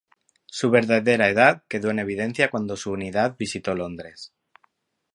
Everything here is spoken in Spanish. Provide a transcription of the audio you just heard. Su verdadera edad quedó en evidencia cuando su unidad visitó Londres.